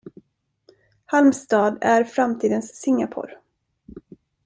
Halmstad är framtidens Singapore.